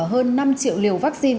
hơn năm triệu liều vaccine